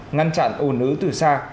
ngăn chặn ồn ứ từ xa